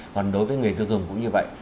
còn đối với người tiêu dùng cũng như vậy